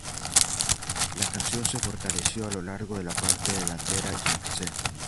La canción se fortaleció a lo largo de la parte delantera Yangtze.